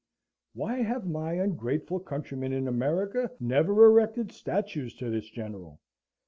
Why have my ungrateful countrymen in America never erected statues to this general?